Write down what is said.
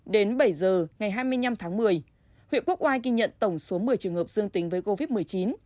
đến bảy giờ ngày hai mươi năm tháng một mươi huyện quốc oai ghi nhận tổng số một mươi trường hợp dương tính với covid một mươi chín